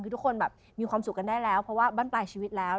คือทุกคนแบบมีความสุขกันได้แล้วเพราะว่าบ้านปลายชีวิตแล้ว